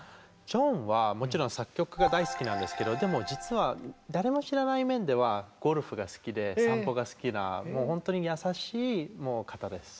ジョンはもちろん作曲が大好きなんですけどでも実は誰も知らない面ではゴルフが好きで散歩が好きなもう本当に優しい方です。